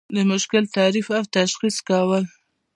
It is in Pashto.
د مشکل تعریف او تشخیص کول.